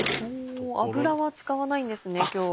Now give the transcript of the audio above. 油は使わないんですね今日は。